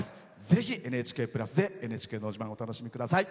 ぜひ「ＮＨＫプラス」で「ＮＨＫのど自慢」をお楽しみください。